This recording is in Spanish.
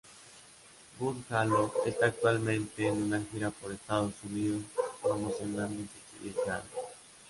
Burn Halo esta actualmente en una gira por Estados Unidos promocionando su siguiente álbum.